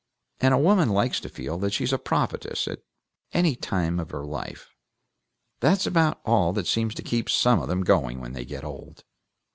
And a woman likes to feel that she's a prophetess at any time of her life. That's about all that seems to keep some of them going when they get old."